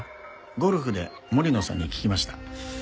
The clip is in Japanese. ゴルフで森野さんに聞きました。